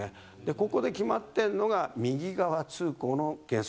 ここで決まってるのが右側通行の原則。